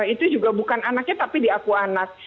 itu juga bukan anaknya tapi diaku anak